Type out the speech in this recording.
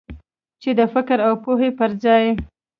چې د فکر او پوهې پر ځای.